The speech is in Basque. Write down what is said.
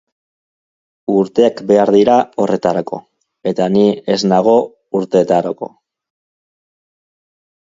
Urteak behar dira horretarako, eta ni ez nago urteetarako.